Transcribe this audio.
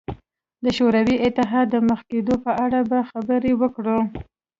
د شوروي اتحاد د مخ کېدو په اړه به خبرې وکړو.